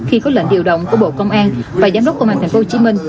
khi có lệnh điều động của bộ công an và giám đốc công an tp hcm